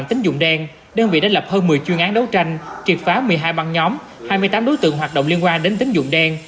tính dụng đen đơn vị đã lập hơn một mươi chuyên án đấu tranh kiệt phá một mươi hai băng nhóm hai mươi tám đối tượng hoạt động liên quan đến tính dụng đen